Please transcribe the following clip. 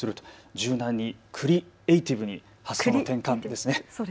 柔軟に、クリエーティブに、発想の転換ですね。